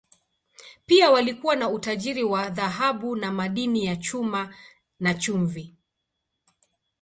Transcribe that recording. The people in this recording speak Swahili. Pia walikuwa na utajiri wa dhahabu na madini ya chuma, na chumvi.